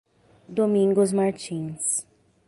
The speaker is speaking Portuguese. Domingos Martins